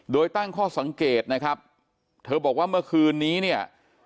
โดยตั้งข้อสังเกตนะครับเธอบอกว่าเมื่อคืนนี้เนี่ย